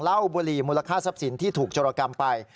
บุรีมูลค่าทรัพย์สินที่ถูกโจรกรรมไป